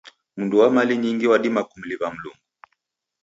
Mundu wa mali nyingi wadima kumliw'a Mlungu.